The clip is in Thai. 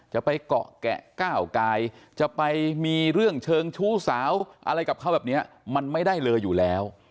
จะไปเกาะแกะก้าวกายจะไปมีเรื่องเชิงชู้สาวอะไรกับเขาแบบนี้มันไม่ได้เลยอยู่แล้ว